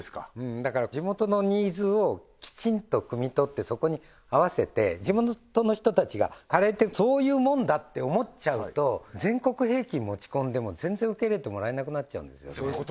だから地元のニーズをきちんとくみ取ってそこに合わせて地元の人たちがカレーってそういうもんだって思っちゃうと全国平均持ち込んでも全然受け入れてもらえなくなっちゃうんですよね